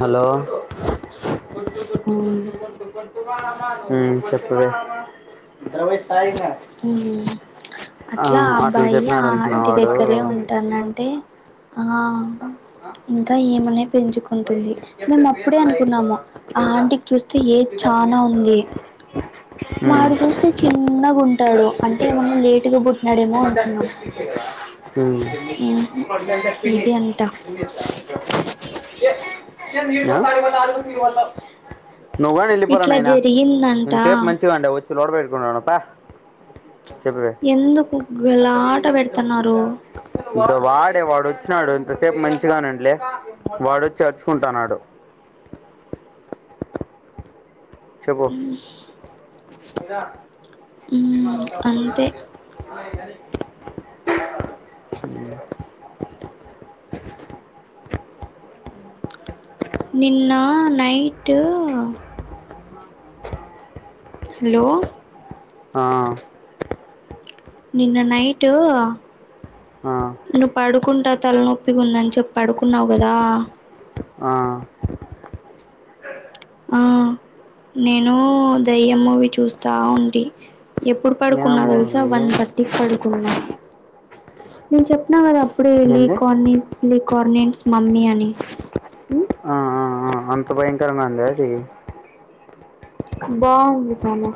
Hello మ్మ్ మ్మ్ చెప్పువే ఊ అట్లా ఆ అబ్బాయి ఆ చెప్పినాడు అంటున్నా ఆంటి వాడు దగ్గరే ఉమ్, ఉంటానంటే ఆ ఇంకా ఈమనే పెంచుకో ఉంటుంది మేము అప్పుడే అనుకున్నాము ఆ ఆంటికి చూస్తే ఏజ్ చానా ఉంది వాడు చూస్తే చిన్నగా ఉంటాడు అంటే ఏమన్నా లేటుగా పుట్టినాడేమో అనుకున్నాం ఊహూ ఇది అంట ఊ అ నువ్వు కానీ వెళ్ళిరా ఇట్లా నాయన జరిగిందంట ఇంసేపు మంచిగా వుండే వచ్చి లోడ పెట్టుకునప్ప ఎందుకు గలాట పెడుతున్నారు ఇపుడు వాడే వాడు వచ్చినాడు ఇంతసేపు మంచిగానంట్లే వాడు వచ్చి చేర్చుకుంటన్నాడు చెప్పు మ్మ్ అంతే హాయ్ హరి నిన్న నైట్ హలో ఆ నిన్న నైటు ఆ నువ్వు పడుకుంటా తలనొప్పికి ఉందని చెప్పి పడుకున్నావు కదా ఆ ఆ నేను దయ్య మూవీ చూస్తా ఉంటి ఎప్పుడు ఏ పడుకున్నా తెలుసా మూవీ వన్ థర్ టీ కు పడుకున్నా నేను చెప్న కదా అప్పుడే వెళ్ళి ఏంది కొన్ని నీకర్నిస్ మమ్మీ అని ఆ ఆ ఆ అంత భయంకరం మా అండి అది బాగుంది తను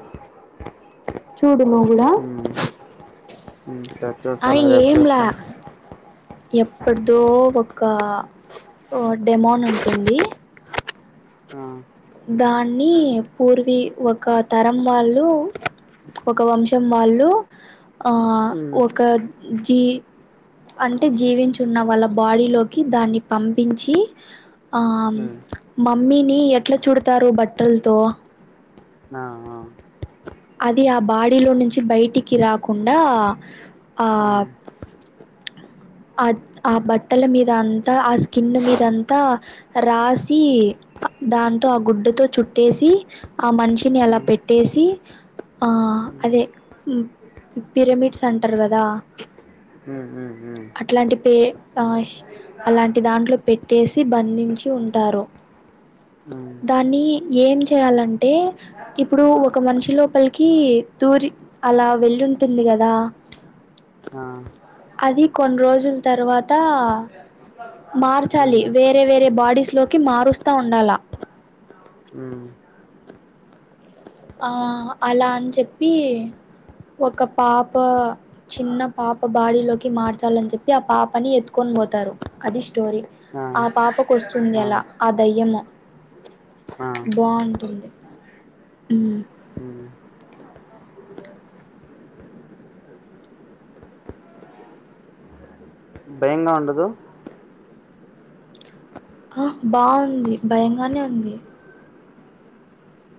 చూడు నువ్ కూడా చక్ ఆ చేస్తాను రేప్ ఏంలా చేస్తాను ఎప్పటిదో ఒక ఒ డెమోన్ ఉంటుంది ఆ దాన్ని పూర్వీ ఒక తరం వాళ్ళు ఒక వంశం వాళ్ళు ఆ ఉమ్ ఒక జీ అంటే జీవించున్న వాళ్ళ బాడీలోకి దాన్ని పంపించి ఆ మ్మ్ మమ్మీని ఎట్లా చూడతారు బట్టలతో ఆ ఆ అది ఆ బాడీలో నుంచి బయటికి రాకుండా ఆ మ్మ్ అద్ ఆ బట్టల మీద అంతా ఆ స్కిన్ మీదంతా రాసి దాంతో ఆ గుడ్డతో చుట్టేసి ఆ మనిషిని అలా మ్మ్ పెట్టేసి ఆ అదే మ్మ్ పిరమిడ్స్ అంటారు కదా ఊ హు హు అట్లాంటి పే ఆష్ అలాంటి దాంట్లో పెట్టేసి బంధించి ఉంటారు మ్మ్ మ్మ్ దాన్ని ఏం చేయాలంటే ఇప్పుడు ఒక మనిషి లోపలికి దూరి అలా వెళ్ళుంటుంది కదా ఆ కొన్ రోజుల తర్వాత మార్చాలి మ్మ్ వేరే వేరే బాడీస్లోకి మారుస్తా ఉండాలా ఉమ్ ఆ అలా అని చెప్పి ఒక పాప చిన్న పాప బాడీలోకి మార్చాలని చెప్పి ఆ పాపని ఎత్తుకొని పోతారు అది స్టోరీ ఆ పాపకు వస్తుంది అలా ఆ దయ్యము ఆ బావుంటుంది ఉమ్ మ్మ్ భయంగా ఉండదు అ బాంది భయంగానే ఉంది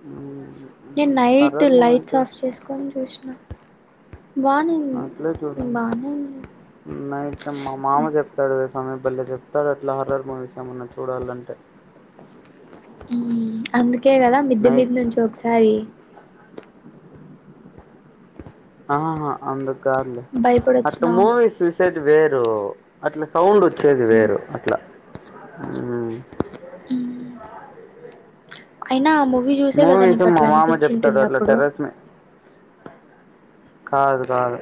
ఉమ్ నేను నైట్ లైట్స్ ఆఫ్ చేసుకని చూసిన బా అ అట్లే చూడాలి నైట్ మా మామ చెప్ దడే సమయం భళ్ళే చెప్తాడు అట్లా హర్రర్ మూవీస్ ఏమన్నా చూడాలంటే అందుకే కదా మిద్దె మీది నైట్ నుంచి ఒకసారి ఆహాహా అందుకు కాదులే అట్ట భయపడొచ్చినావ్ మూవీస్ చూసేది వేరు అట్లా సౌండ్ వచ్చేది హ్మ్ వేరు అట్లా మ్ మ్ అయినా ఆ మూవీ చూసే కదా మూవీస్ నీకు మా అట్లా మామ చెప్తాడు అనిపించింటుంది అట్లా అప్పుడు టెర్రస్ మీ కాదు కాదు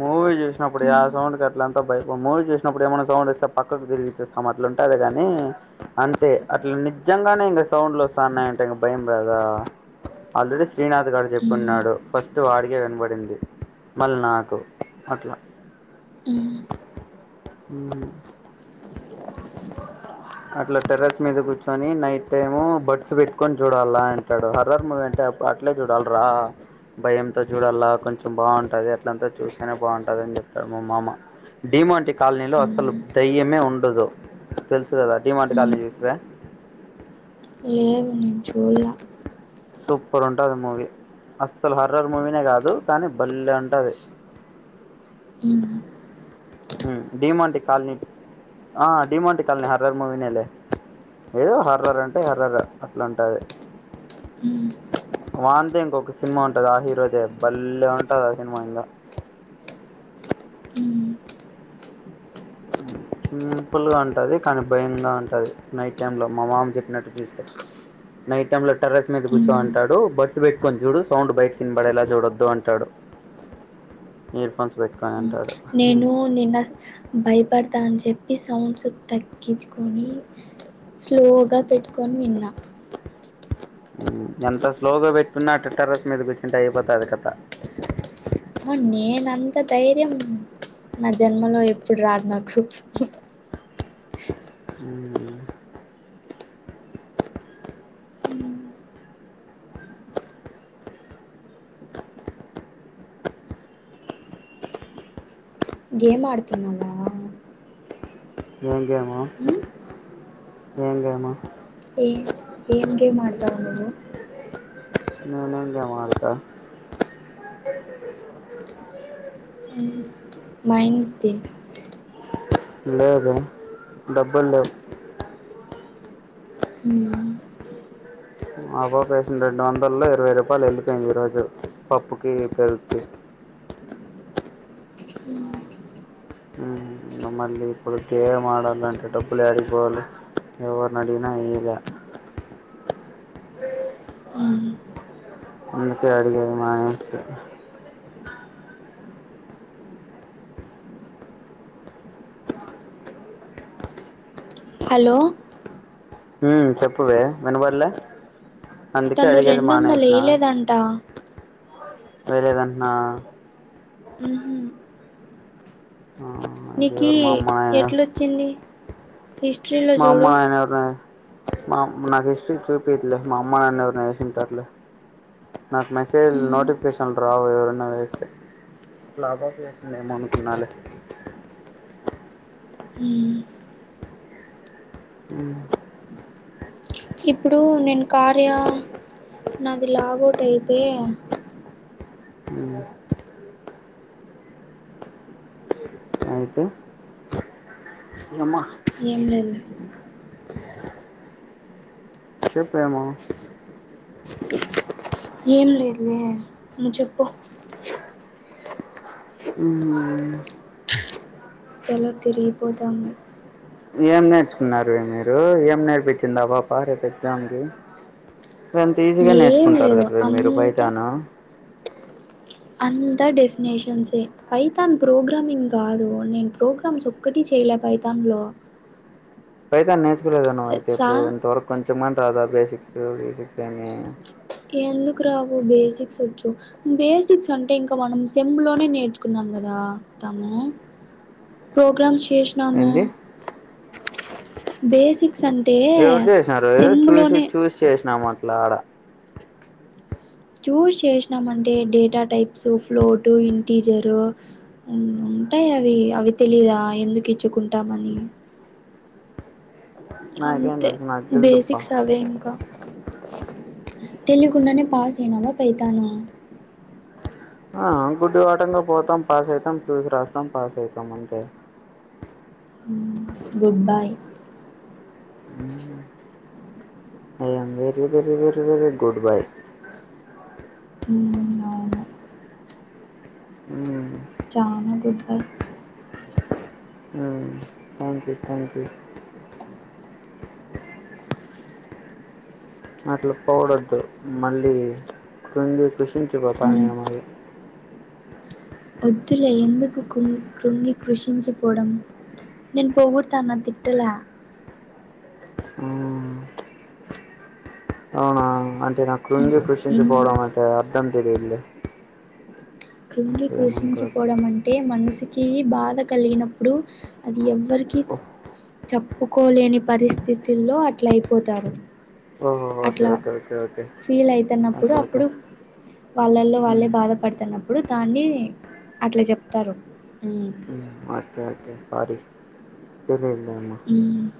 మూవి చూసిన అప్పుడు యా హ్మ్ సౌండ్ క ఇట్లంతా భయ్ ఒ మూవీ చూసినప్పుడు ఏమన్నా సౌండ్ వస్తే పక్కకు తిరిగి చూస్తాం అట్లా ఉంటది కాని అంతే అట్లా నిజంగానే ఇంకా సౌండ్లు వస్తాన్నాయంటే ఇంక భయం రాదా అల్రెడి శ్రీనాథ్ గాడ్ జెప్ హ్మ్ ఉన్నాడు ఫస్ట్ వాడికే కనపడింది మళ్ళీ నాకు అట్లా మ్ హ్మ్ అట్లా టెర్రస్ మీద కూర్చొని నైట్ టేమో బడ్స్ పెట్టుకొని చూడాల అంటాడు హర్రర్ మూవీ అంటే అప్పుడు అట్లే చూడాల్రా భయంతో చూడల కొంచెం బావుంటది అట్లంతా చూస్తేనే బావుంటది అని చెప్తాడు మా మామ డిమోంటి కాలనీలో అసలు హ్మ్ దయ్యమే ఉండదు తెలుసు కదా డిమాంట్ హ్మ్ కాలనీ చూసావ లేదు నేను చూడ్లే సూపర్ ఉంటది మూవీ అస్సలు హర్రర్ మూవీనే కాదు కానీ భల్లే ఉంటది ఉమ్ మ్ డిమోంటి కాలనీ ఆ డిమోంటి కాలనీ హరర్ మూవినేలే ఏదో హర్రర్ అంటే హార్రర్ అట్లా ఉంటది హ్మ్ వాన్తే ఇంకొక సినిమా ఉంటది ఆ హీరోదే భళ్లే ఉంటది ఆ సినిమా ఇంగ హ్మ్ మ్ సింపుల్గా ఉంటది కానీ భయంగా ఉంటది నైట్ టైమ్లో మా మామ చెప్పినట్టు చూస్తే నైట్ టైమ్లో టెర్రస్ మీద కూర్చో హ్మ్ అంటాడు బడ్స్ పెట్టుకొని చూడు సౌండ్ బయట కిందబడేలా చూడొద్దు అంటాడు ఇయర్ ఫోన్స్ పెట్టుకొన్ హ్మ్ నేను నిన్న భయపడతా అని చెప్పి సౌండ్స్ తగ్గించుకొని స్లోగా పెట్టుకొని విన్నా ఎంత స్లోగా పెట్టుకున్నా అట్ట టెర్రస్ మీద కూర్చుంటే అయిపోతది కదా నేనంత ధైర్యం నా జన్మలో ఎప్పుడు రాదు నాకు ఉమ్ గేమ్ ఆడుతున్నావా ఏం గేము ఏం గేము ఏ ఏం గేమ్ అడ్తవ్ నువ్వు నేనేం గేమ్ ఆడ్త మైండ్స్డే లేదు డబ్బులు లేవు ఉం మా పాప వేసిన రెండు వందల్లో ఇరవై రూపాయలు వెళ్ళిపోయింది ఈ రోజు పప్పుకి పెరుగుకి మ్మ్ మళ్ళీ ఇప్పుడు గేమ్ ఆడాలంటే అంటే డబ్బులు ఎడికిపోవల్ ఎవర్ని అడిగిన ఇవ్వరు ఉ అందుకే అడిగేది మానేసిన హలో చెప్పువే వినపడలే అందుకే అడిగేది మానేసిన అంటా వేలేదంటన్నా ఆ అది నీకీ ఎవరు మా అమ్మ నాయన ఎట్లొచ్చింది హిస్టరీలో మా అమ్మ చూడు నాయన ఎవరిని మా నాకు హిస్టరీ చూపట్లే మా అమ్మయి నాయన ఎవరిని వేసంటారులే నాకు మెసేజ్ నోటిఫికేషన్ రావు ఎవరన్నా వేస్తే లాగౌట్ చేసింది ఏమో అనుకున్నాలే ఊ ఊ ఇప్పుడు నేను కార్య నాది లాగౌట్ అయితే ఉ ఎమ ఏం లేదు లే చెప్పేమో ఏం లేదులే నువ్వు చెప్పు ఉమ్ తలా తిరిగిపోతాంది ఏం నేర్చుకున్నారు మీరు ఏం నేర్పించిందా పాప రేపు ఎగ్జామ్ కి ఎంత ఈజీగా ఏం నేర్చుకుంటారు లేదు కదా మీరు పైతాను అంత డెఫినేషన్స్యె పైతాన్ ప్రోగ్రామింగ్ కాదు నేను ప్రోగ్రామ్స్ ఒక్కటి చేయలే పైతాన్ లో పైతాన్ నేర్చుకోలేదా నువ్ అయితే ఇప్పుడు సార్ ఇంతవరకు కొంచెంమని రాదా బేసిక్స్ బేసిక్స్ ఏమి ఎందుకు రావు బేసిక్స్ వచ్చు బేసిక్స్ అంటే ఇంకా మనం సెమ్ లోనే నేర్చుకున్నాం కదా తాము ప్రోగ్రామ్స్ చేషినాము ఏంది బేసిక్స్ అంటే ఎవరు చేసినారు ఏదో చూసి సెమ్లోనే చూసి చేసినాం అట్లా చూస్ చేసినామ్ అంటే డేటా టైప్స్ ఫ్లోటు ఇంటీజరు ఊ ఉంటాయి అవి అవి తెలీదా ఎందుకు ఇచ్చుకుంటామని నాకేం అంతే తెలుసు నాకు తెలియదుబ్బా బేసిక్స్ అవే ఇంకా తెలియకుండానే పాస్ అయినావా పైతాను ఆ గుడ్డి వాటంగా పోతాం పాస్ అయితాం చూసి రాస్తాం పాస్ అయితాం అంతే good bye very very very good bye మ్ అవును మ్ చాన గుడ్ బై మ్ థంక్ యూ థ్యాంక్ యూ అట్లా పోవుడొద్దు మళ్ళీ క్రుంగి కుృషించిపోతాను నేను మరి ఒద్దులే ఎందుకు కుంగ్ కృంగి కృషించిపోవడం నేను పోగుడుత్తానా తిట్టలే మ్మ్. అవునా అంటే నాకు కృంగి కృషించిపోవడం అంటే అర్థం తెలియదులే కృంగి ఏమనుకోవద్దు కృషించిపోవడం మం అంటే మనసుకి బాధ కలిగినప్పుడు అది ఎవ్వరికి ఓహ్. చెప్పుకోలేని పరిస్థితుల్లో అట్లా అయిపోతారు ఓహో ఓకే అట్లా ఓకే ఓకే ఓకే ఫీల్ అయితన్నప్పుడు ఓకే ఓకే అప్పుడు వాళ్ళల్లో వాళ్ళే మ్మ్. బాధపడుతున్నప్పుడు దాన్ని అట్లా చెప్తారు మ్ ఓకే ఒకే సారీ తెలియదులేమ్మ మ్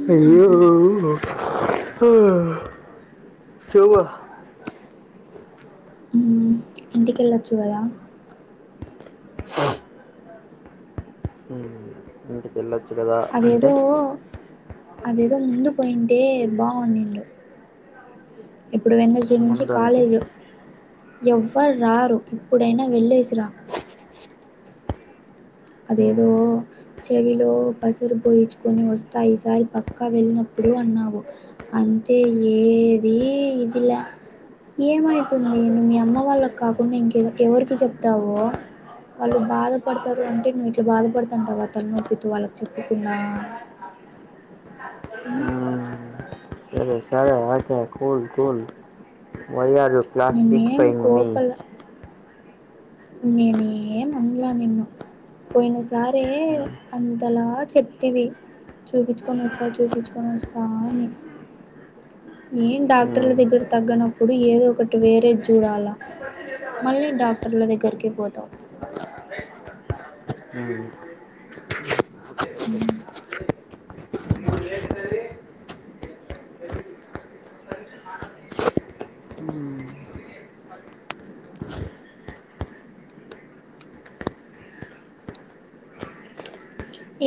అయ్యే మ్ ఇంటికిెళ్ళొచ్చు కదా కేల్ అదేదో అదేదో ముందు పోయింటే బాగుంనిండు ఇప్పుడు వెన్నస్ డే నుంచి ముందు అంటే కాలేజ్ ఎవ్వరు రారు ఇప్పుడైనా వెళ్ళేసి రా అదేదో చెవిలో పసరు పోయించుకొని వస్తా ఈసారి పక్కా వెళ్ళినప్పుడు అన్నావు అంతే ఏది ఇదిలే ఏమైతుంది నువ్వు మీ అమ్మ వాళ్ళకి కాకుండా ఇంకె ఎవరికి చెప్తావు వాళ్ళు బాధపడుతారు అంటే నువ్వు ఇట్లా బాధపడుతంటావా తల నొప్పితో వాళ్ళకి చెప్పకుండా మ్ సరే ఓ సరి what a cool cool why are you class pick నిన్నేం ఫేంగ్ మీ ఇంగేమి ఏమనలే నిన్ను పోయిన సారి అంతలా చెప్తివి చూపించుకొని వస్తా చూపించుకొని వస్తా అని ఏం డాక్టర్ల దగ్గర తగ్గనప్పుడు ఏదో ఒకటి వేరేది చూడాలా మళ్ళీ డాక్టర్ల దగ్గరకి పోతావ్ అ మ్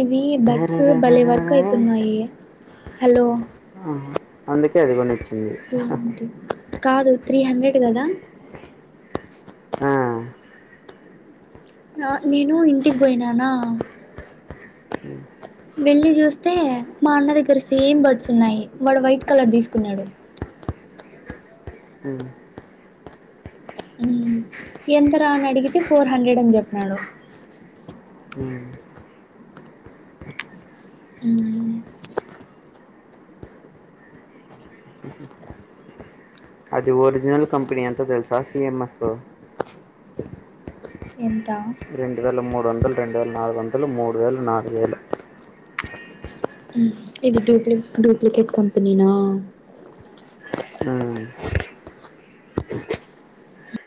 ఇవి బడ్స్ భలే వర్క్ అయితున్నాయి హలో ఆ అందుకే అది కొనిచ్ సేమ్ టి కాదు త్రీ హండ్రెడ్ కదా ఆ ఆ నేను ఇంటికి పోయినానా. వెళ్లి చూస్తే మా అన్న దగ్గర సేమ్ బర్డ్స్ ఉన్నాయి వాడు వైట్ కలర్ తీసుకున్నాడు. అ. ఎంత రా అని అడిగితే ఫోర్ హండ్రెడ్ అని చెప్పినడు. అ. అ. అది ఒరిజినల్ కంపెనీ ఎంతో తెలుసా సి ఎం ఎఫ్. ఎంత. రెండు వేల మూడు వందలు రెండు వేల నాలుగు వందలు మూడు వేలు నాలుగు వేలు. ఇది డూప్లి డూప్లికేట్ కంపెనీనా. వేలు